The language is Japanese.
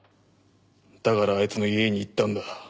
だからあいつの家に行ったんだ。